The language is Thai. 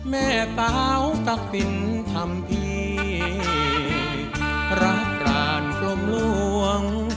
แม่เป้าตักศิลป์ทำพี่รักราญกลมล่วง